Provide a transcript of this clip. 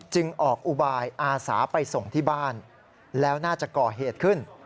ออกอุบายอาสาไปส่งที่บ้านแล้วน่าจะก่อเหตุขึ้น